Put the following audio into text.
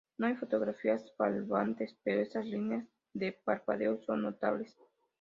No hay fotogramas faltantes, pero esas líneas de parpadeo son notables.